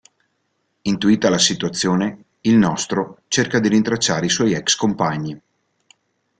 Intuita la situazione, il nostro cerca di rintracciare i suoi ex-compagni.